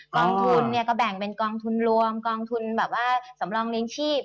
กองทุนเนี่ยก็แบ่งเป็นกองทุนรวมกองทุนแบบว่าสำรองเลี้ยงชีพ